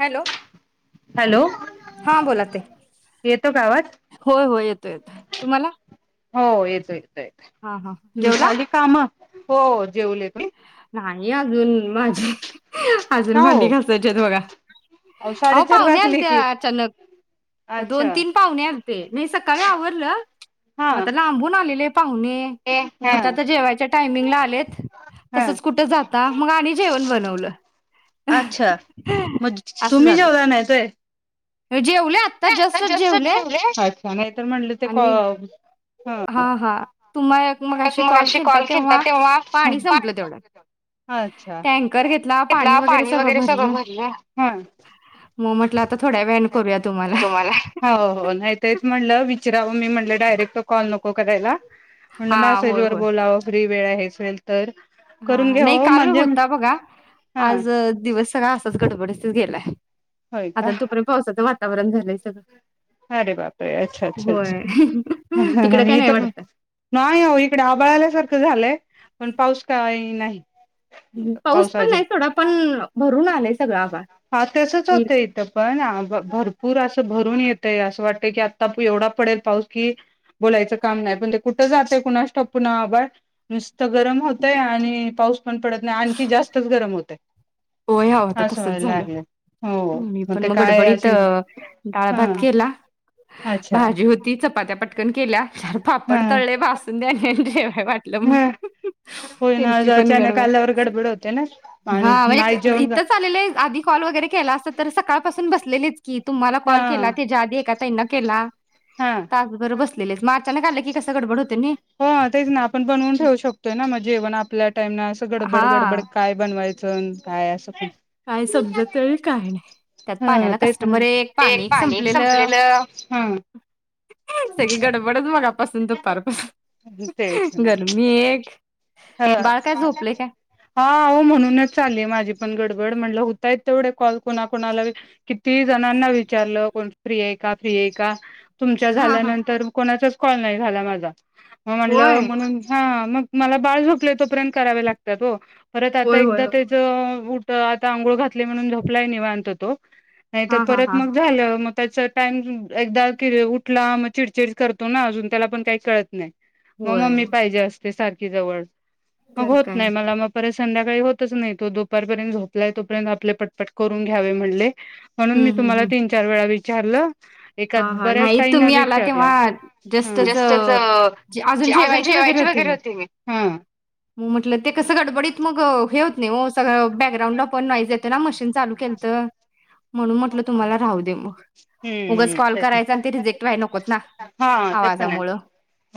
Hello hello हा बोला ताई. येतो कावात होय होय येतोय येतोय तुम्हाला? हो [unintelligible] हा हा जेवला झाली काम? हो. जेवले तुम्ही? नाही अजून माझी का अजून भांडी हो घासायची बघा. अहो साडेचार पाहुणे वाजले आलते की. अचानक दोन अच्छा. तीन पाहुणे आलते. नाही सकाळी आवरलं हा मग ते येवढे लांबून आलेले पाहूने हा म्हटलं तर जेवाच्या टायमिंगला आलेत. हा. तसच कुठं जाता मग आणि जेवण बनवलं अच्छा. मग असं झालं. जेवले आत्ता जस्टच जेवले जास्तेव अच्छा नाहीतर म्हणलं ते. आणि ह हा हा तुम्हा म अ कॉल खे तेव्हा पाणी संपलं तेवढं अच्छा टँकर घेतला पाणी वगरे सगळ भरल हा. मग म्हटलं आता थोड्या व कर तुम्हाला हो हो नाही तेच म्हटलं विचरावं, मी म्हटलं डायरेक्ट कॉल नको करायला. म्हणल हा मॅसेज होय वर होय बोलाव फ्री वेळ आहे असेल तर. करून हा नाही घ्यावं काल म्हणजे होता बघा हा आज दिवस सगळा अस. [unintelligible] होय का? [unintelligible] वातावरण झालंय सगं. अरे बापरे अच्छा! अच्छा! अच्छा! तिकडं काय नाही इथ वाटतं. नाही अहो आभाळ सारखं झालंय. पण पाऊस काय नाही. पाऊस पण नाही थोडा पण भरून आलेच. हा तसच होत इथं पण भरपूर असं. भरून येतय असं वाटत की आता एवढा पडेल पाऊस की बोलायचं काम नाही पण ते कुठं जातय कुणास ठाऊक नुसत गरम होतंय आणि पाऊस. पण पडत नाही आणखी जास्तच गरम होते. होय हा तसच झालं मी पण ते मग काय गडबडीत असेल डाळ भात हां केला अच्छा भाजी होती चपात्या पटकन केल्या च पाापड हां तळले भाजून घेतले. हां. [unintelligible] [unintelligible] होय ना त्यांची पण अचानक गडबड. आल्यावर गडबड होते ना आणि हां म्हणजे नाही क् जेवण इतंच आलेले, आधी कॉल वगैरे क केला असता तर सकाळपासून बसलेलीच. कि तुम्हाला हा कॉल केला त्याज्याआधी एका ताईंला केला. हा तासभर बस दिलेस माग चनं काढलं की कसं गडबड होते नई. हो, तेच ना आपण बनवून ठेवू शकतोय ना म जेवण आपल्या टाईमना सगळं ता गडबड हा काय बनवाय चण काय असं फुल काय समजत नाही काय नाही. त्यात ह पाण्याला तेच ना कस्टमर एक, पाणी एक संपलेलं. हा सगळी गडबडच मगापसूनं दुपारपासून. गरमी एक. हं, बाळ काय झोपले काय हां हो म्हणूनच चाललीय माझी पण गडबड. म्हणलं हुत ताई तेवढे कॉल कोणा कोणाला व कित ती जणांना विचारलं कोण फ्री ये का? फ्री ये का? तुमच्या हा हा झाल्यानंतर कोणाचच कॉल नाही झाला माझा म म्हटलं होय म्हणून ह मग मला बाळ झोपले तोपर्यंत करावे लागत्यात ओ परत आता होय, होय, एकदा होय. त्याच बुट आता आंघोळ घातले म्हणून झोपलाय निवांत तो नाही तर हां, हां, परत हां. मग झालं मग त्याचा टाइम एकदा उठला मग चिडचिड करतो ना अजून त्याला पण काही कळत नाही. मग मम्मी होय, पाहिजे असते. ते सार खी जवळ मग तर होत काय. नाही मला मग परत संध्याकाळी होतच नाही तो दुपारपर्यंत झोपलाय तोपर्यंत आपले पटपट करून घ्यावे म्हणले. म्हणून मी तुम्हाला तीन चार वेळा वि चारल. हा हा नाही तुम्ही आला तेव्हा जस्टच हा अजून जेवायची वगैरे होते मी हा मग म्हटलं ते कस गडबडीत मग हे होत नाही हो सगळं बॅकग्राउंड पण नोइस येते ना मशिन चालू केलत म्हणून म्हटलं तुम्हाला राहू दे मग उगाच हम्म कॉल तेच करायचा आणि ते रिजेक्ट व्हायला नको ना हा ते पण आहे आवाजामुळं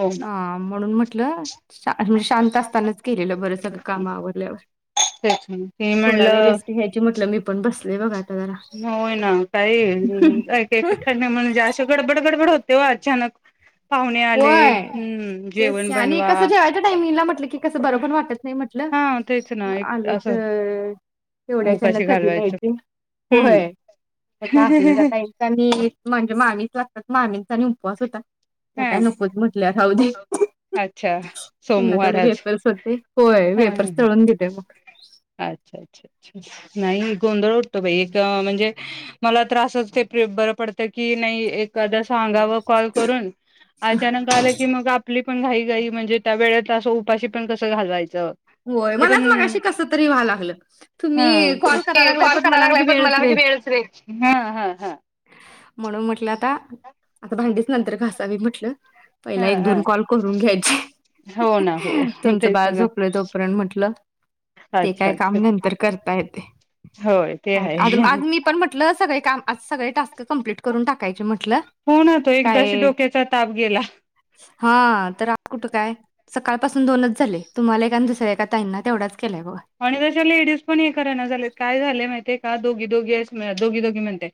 हो ना हा म्हणून म्हटलं शा म्हणजे शांत असतानाच केलेलं बरं सगळं काम आवरल्यावर तेच ते थोडा वेळ म्हणलं रेस्ट घ्यायची म्हटलं मी पण बस ले बघत. होय ना काही वेळ निघून जाईल एकीकडन म्हणजे असे गडबड गडबड होते हो अचानक पाहुणे आले व्हय हम्म तेच जेवण आणि बनवा कस जेवायचा टाईमला म्हट कस बर पण वाटत नाही म्हटलं हा तेच ना एक आले असं तर तेवढ्याच्याना उपाशी कधी नाही घालवायचं ते हम्म होय म्हटलं असू दे त्या ताई म्हणजे मामीच लागतात मामी आणि उपवास होता. त्या हा काय नकोच म्हटल्या राहू दे, अच्छा त्यांना सोमवार तेवढे आज वेपर्स होते होय हा वेपर्स तळून दिले मग अच्छा अच्छा अच्छा नाही गोंधळ उठतो बाई एक म्हणजे मला तर असच ते बरं पडतं की नाही एक खादा सांगाव कॉल करून अचानक आलं की मग आप पली पण घाई घाई म्हणजे त्या वेळत आसं उपाशी पण कसं घालवायचं होय हे मलाच पण मागाशी कस तरी व्हा लागलं हा तुम्ही कॉल तेच कराय लागलाय पण मला म्हणजे वेळच वेळ हा हा हा म्हणून म्हटल आता आता भांडीच नंतर घासावी म्हटलं पहिला हा एक हा दोन कॉल करून घ्यायची हो ना हो तुमचं तेच बाळ ना झोपलं तो म्हटल ते अच्छा काय अच्छा काम नंतर करता येते. होय ते आज आहे आज मी पण म्हटलं सगळे काम आज सगळे टास्क कम्प्लीट करून टाक. होणा तो एकदाशी डोक्याचा ताप गेला. हां तर आ कुठं काय सकाळ पाासून दोनच झाले तुम्हाला एक आणि दुस त ऐका ताईना तेवढाच केलाय बघा आणि त्याच्या लेडीज पण हे करेना झालेत, काय झाले माहिते का दोघी दोघी असम दोघी दोघी म्हणते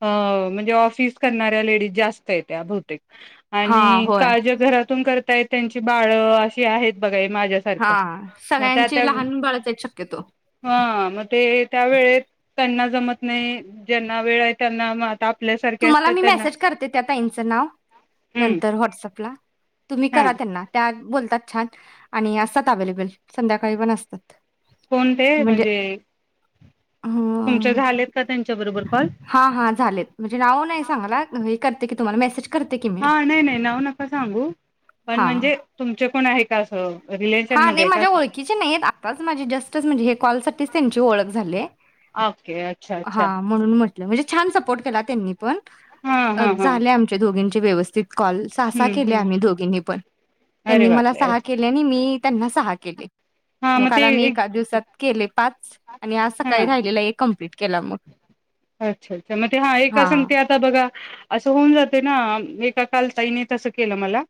अ म्हणजे ऑफिस करणाऱ्या लेडीज जास्त येत त्या बहुतेक हा आणि होय काज घरातून कर काय त्यांची बाळं अशी आहेत. बघा एक हा सगळ्यांची लहान बा हां मग ते त्या वेळेत त्यांना जमत नाही ज्यांना वेळ आहे त्यांना म आता आपल्यासारखे तुम्हाला असतात मी त्यांना मॅसेज करते त्या ताईंचं नाव हम्म नंतर व्हॉट्सअँपला तुम्ही हा करा त्यांना त्या बोलतात छान आणि आसतात अवेलेबल संध्याकाळी पण असतात. कोण ते? म्हणजे तुमचे हां, झालेत का त्यांच्या बरोबर कॉल हा, हा झालेत म्हणजे नाव नाही सांगायला हे करते कि तुम्हाला मॅसेज हां, नाही नाही नाव नका सांगू पण हा म्हणजे तुमचे कोण आहे? [unintelligible] हा नाही मध्ये का माझ्या ओळखीचे नाहीत आताच माझी जस्टच म्हणजे हे कॉलसाठीच त्यानची ओळख झाले. ओके अच्छा अच्छा हा म्हणून म्हटलं म्हणजे छान सपोर्ट केला त्यांनी पण हा हा हा झाले आमचे दोघींचे व्यवस्थित कॉल सहा, सहा हम्म केले हम्म आम्ही दोघींनी पण त्यांनी अरे मला बापरे सहा केले आणि मी त्यांना सहा केले. हा म मग ते काल आम्ही एक एका दिवसात केले पाच आणि आज हा सकाळी राहिलेलं एक कंप्लीट केला मग अच्छा अच्छा मग ते हा एका संगती आता बघा आसं होऊन जाते ना एका काल ताईने तसं केलं मला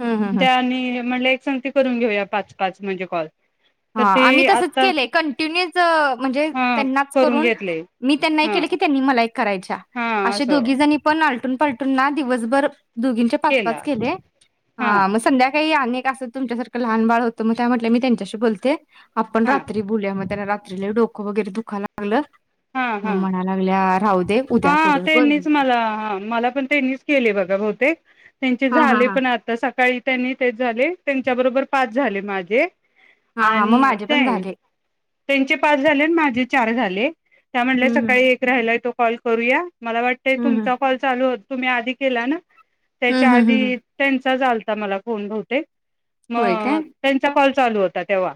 हम्म हम्म हम्म त्या आणि म्हणले संगती करून घेऊया पाच, पाच म्हणजे कॉल हा तर ते आम्ही तसच आता केले कन्टिनीयूचं म्हणजे हा तेनाच करून घेतले मी त्यांना एक हा केलं की त्यांनी मला करायच्या हा आशे असं दोघी जणी पण आल आलटून पलटून ना दिवसभर दोघींचे पाच, पाच केला केले हा मग संध्याकाळी आणि आस तुमच्यासारखं लहान बाळ होतं म त्या म्हटल्या मी त्यांच्याशी बोलतो. ते आपण हा रात्री बोलूया म तेनाला म्हणजे लई डोकं वगैरे दुखा लागलं हा, हा, मग म्हणा लागल्या राहू दे उद्या हा करूया. बरं त्यांनीच म्हटलं. मला हा मला पण त्यांनीच केले बघा बहूतेक त्यांचे हा हा झाले हा पण आता सकाळी त्यांनी तेच झाले त्यांच्या बरोबर पाच झाले माझे हा हा मग आणि माझे पण ते झाले. त्यांचे पाच झाले न माझे चार झाले. त्या म्हटल्या हम्म हम्म सकाळी एक राहिलाय तो कॉल करूया? मला वाटतंय हं, हं. तुमचा कॉल चालू होत तुम्ही आधी केला ना. हं, त्याच्या हं, हं, हं. आधी त्यां -चाच आलता मला फोन बहुतेक होय काय? मग त्यांचा कॉल चालू होता तेव्हा.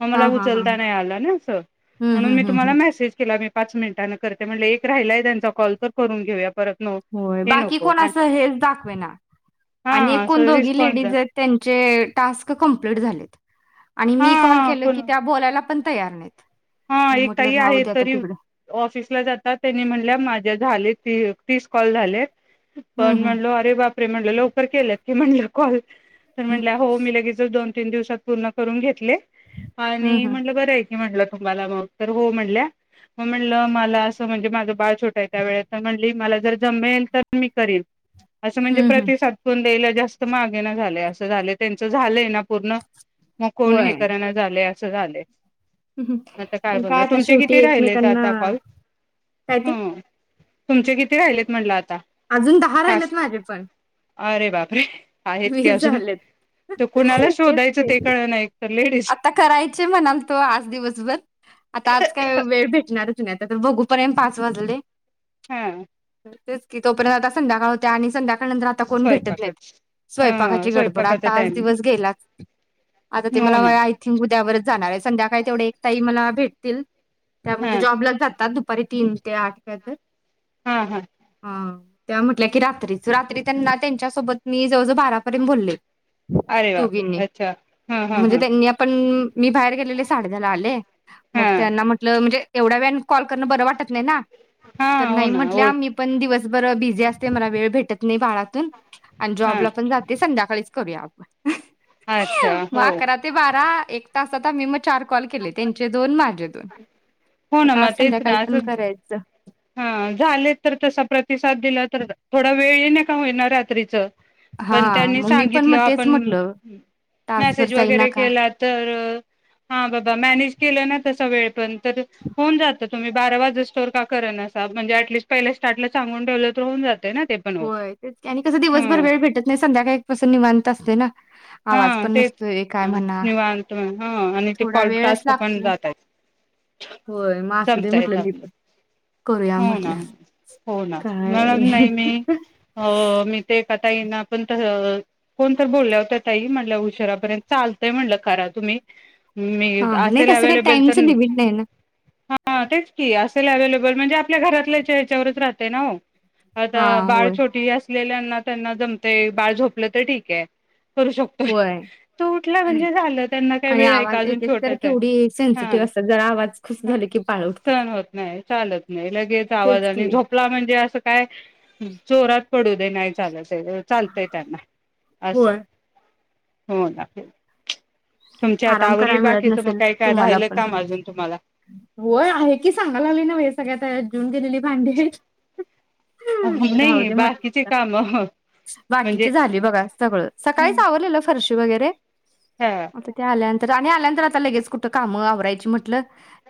म मला हां, हां, हां, उचलता हां. नाही आला ना अस हं, म्हणून हं, मी हं, तुम्हाला हं. मेसेज तीला मी पाच मिनिटांंन करते म्हणल एक राहिलाय त्यांचा कॉल तर करून घेऊया. परत न होय हे बाकी नको कोण अस हेच दाखवे ना, हा आणि एक कोण असं दोघी रिस्पॉन्स लेडीज द्या आहेत त्यांचे टास्क कंप्लीट झालेत. आणि हा मी कॉल हा केल की कोण त्या बोलायला पण तयार नाहीत. हा मग एक म्हटलं ताई राहू आहे दे आता तरी तिकडं. ऑफिसला जातात त्यांनी म्हणल्या माझ्या झाले ते तीस कॉल झालेत. हं, पण हं. म्हणलो अरे बापरे! म्हणल लवकर केलंत की म्हणल कॉल तर म्हणल्या हो मी लगेचच दोन तीन दिवसात पूर्ण करून घेतले. हं, आणि हं. म्हटलं बरंय मी म्हटलं तुम्हाला मग तर हो म्हणल्या. मग म्हणलं मला असं म्हणजे माझं बाळ छोटं आहे त्या वेळेत तर म्हणली मला जर जमेल तर मी करीन. असं म्हणजे हं, हं. प्रतिसाद पण द्यायला जास्त मागे ना झालेय असं झालंय, त्यांच झालंय ना पूर्ण मग कोण हे होय. करना झालय अस च झालंय आता पण बोलणार काय आता तुमचे शेवटी किती राहिलेत एकमेकांना, आता कॉल काय ते? ह तुमचे किती राहिलेत म्हटलं आ अजून दहा राहिलेत माझे पण. अरे बापरे! आहेत की अजून, झालेत. तर कुणाला तेच शोधायचं की. ते कळना एकतर आता करायचे म्हणाल तो आज दिवस बर, आता आज काय वेळ भेट नारच नाही तर बघू पर्यत पाच वाजले. ह. तेचकी तोपर्यंत आता संधकाळ होत्या. आणि संध्याका त्या नंतर आता कोण भेटत नाही स्वयंपाकच हा स्वयपाकाची गडबड स्वयंपाकाचा आता आज टायमिंग दिवस गेलाच. आता ते हो मला ना मला आय थिंक उद्यावरच जाणार आहे. संध्या काय तेवढे एक ताई मला भेटतील. त्या हा म्हणजे जॉबलाच जातात. दुप दुपारी तीन ते आठ काय तर हा. त्या म्हटल्या की रात्रीच. रात्री त्यांना त्यांच्यासोबत मी जवळजवळ बारापर्यंत बोलले. अरे बापे! दोघींनी अच्छा, हा. हा म्हणजे हा त्यांनी आपण मी बाहेर गेलेले साडेदहाला आले. मग हा त्यांना म्हटलं म्हणजे एवढ्या वेळने कॉल करणं बरं वाटत नाही ना? हा तर हो नाही ना म्हटले आम्ही ओळख पण दिवसभर भिजी जास्त मला वेळ भेटत नाही बाारातून आणि हा जॉबला पण जाते संध्याकाळीच करूया आप अच्छा मग हो अकरा ते बारा एक. तसात आम्ही मट चार कॉल केले त्यांचे दोन माझे दोन हो ना आता मग आज तेच संध्याकाळी ना पण असं करायच. हा झालेत तर तसा प्रतिसाद दिला तर थोडा वेळेना का होईना रात्रीच पण हा त्यांनी मग मी पण सांगितल मग तेच आपण म्हटलं. तासभर मेसेज जाई ना वगैरे का केला तर हा बाबा म्येनेज केल ना तस वेळ पण होऊन जातात. तुम्ही बारावाजोस्तर जाग करणास म्हणजे आटलीस्ट पहिल्या स्टार्टला सांगून टेवलतर जात. होय तेच की आणि कसं दिवसभर वेळ भेटत नाही. संध्याकाळीपासून निवांत असतय ना. हा आवाज पण तेच नसतोय काय म्हणा निवांत ह आणि ते थोडा फॉल वेळच टास्क पण लागतोय. जातयत होय मग असू दे जमतायेत म्हटलं मी आपले पण करूया हो म्हटलं ना हो ना म काय नाही मी मी हो मी ते ताई ना पण तर कोण तर बोलल्या होत्या.. ताई म्हणाल्या उशरापर्यंत चालतंय म्हणलं करा तुम्ही मी हा नाही असेल तसं काही अवेलेबल तर टाइमचं लिमिट नाही ना हा तेच की अस. असेल अवेलेबल म्हणजे आपल्या घरातल्या याच्यावर राहते ना हो. आता हा बाळ होय छोटी अस. आपल्यालांना त्यांना जमतय बाळ झोपलं तर ठीक आहे. करू शकतोय होय तू उठला म्हणजे झालं त्यांना काय आणि वेळ आहे आवाज का अजून एक एक तर छोटच आहे केवढी सेन्सिटिव्ह हा असतात जरा आवाज खुश झाले की पाळ उठतात सहन होत नाही चालत नाही लगेच आवाज तेच आणि की झोपला म्हणजे अस. काय? हम जोरात. पडू दे नाही चालत. ते अ चालतय त्यांना असं. होय हो दाखल आराम करायला मिळत नसेल काय काय तुम्हाला राहिलं पण काम अजून तुम्हाला वय आहे की सांगाला लागले ना सगळ्यात जेऊन गेलेली. भांडे हे. राहू नाही दे म्हटलं बाकीचे आता काम म्हणजे बाकीची झाले बघा सगळं सकाळीच आवरलेल फरशी वगैरे हा आता त्या आल्या तर आणि आल्यानंतर आता लगेच कुठं कामं आवरायची म्हटलं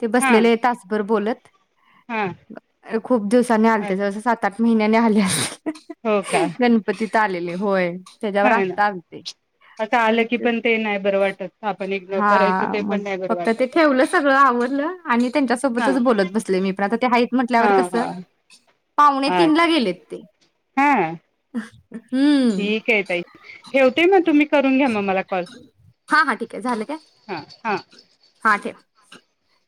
ते हा बसलेलेय तासभर बोलत. हा खूप दिवसाांनी आलते जरास सात आठ महिन्याने आल्या हो का गणपतीत आलेले होय. त्याच्यावर हा ना आत्ता आलते आता आलं मग की ते पण नाही बरं वाटत आपण इग्नोर हा करायचं ते पण मग नाही बरं फक्त ते वाटत ठेवलं सगळं आवरल आणि हा त्यांच्यासोबतच बोलत बसले मी पण आता ते हाईत हा म्हटल्यावर कस हा पावणे अ तीन ला गेलेत ते हा [unintelligible] हम्म ठीक ये ताई ठेवते म तुम्ही करून घ्या मग मला कॉल हा हा ठीक आहे झालं काय हां हां हा ठे [inaudible]